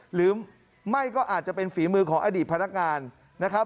หรือไม่ก็อาจจะเป็นฝีมือของอดีตพนักงานนะครับ